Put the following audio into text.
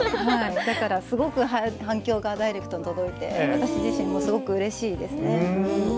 反響がダイレクトに届いて私自身もすごくうれしいですね。